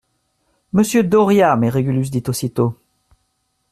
Monsieur Doria ! Mais Régulus dit aussitôt.